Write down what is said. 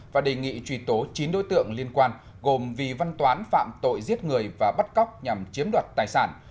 và đề nghị truy tố chín đối tượng liên quan gồm vì văn toán phạm tội giết người và bắt cóc nhằm chiếm đoạt tài sản